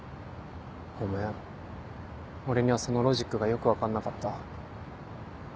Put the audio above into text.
ごめん俺にはそのロジックがよく分かんなかった。